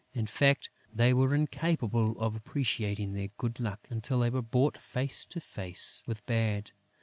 In fact, they were incapable of appreciating their good luck until they were brought face to face with bad.